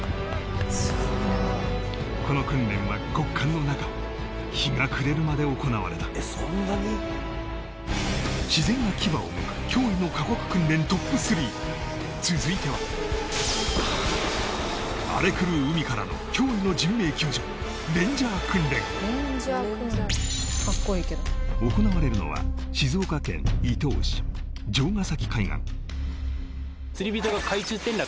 この訓練は極寒の中日が暮れるまで行われた自然が牙をむく脅威の過酷訓練トップ３続いては荒れ狂う海からの脅威の人命救助レンジャー訓練行われるのは静岡県伊東市城ヶ崎海岸